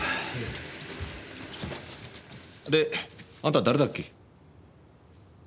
であんた誰だっけ？